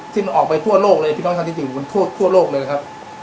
ที่มันออกไปทั่วโลกเลยพี่น้องชาวที่อยู่บนทั่วโลกเลยนะครับ